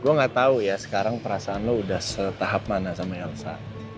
gue gak tau ya sekarang perasaan lo udah setahap mana sama elsa